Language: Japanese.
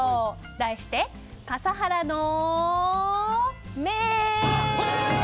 題して、笠原の眼！